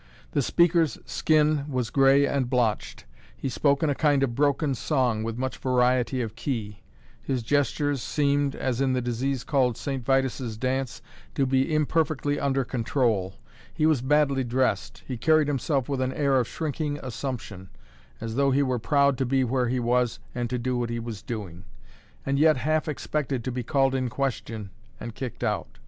The speaker's skin was gray and blotched; he spoke in a kind of broken song, with much variety of key; his gestures seemed (as in the disease called Saint Vitus's dance) to be imperfectly under control; he was badly dressed; he carried himself with an air of shrinking assumption, as though he were proud to be where he was and to do what he was doing, and yet half expected to be called in question and kicked out.